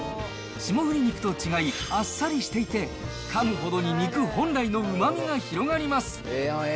霜降り肉と違い、あっさりしていて、かむほどに、肉本来のうまみが広がります。